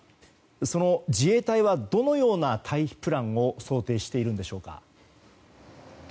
その自衛隊は、どのような退避プランを想定しているんでしょうか。